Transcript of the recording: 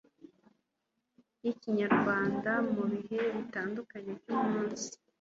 yikinyarwanda mu bihe bitanduka byumunsi